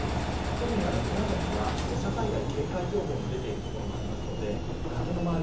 特に宮崎は土砂災害警戒情報が出ているところもありますので崖の周り